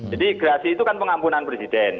jadi gerasi itu kan pengampunan presiden